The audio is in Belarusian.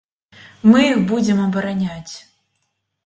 Мы іх будзем абараняць.